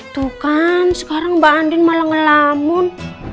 tuh kan sekarang mbak andin malah ngelamun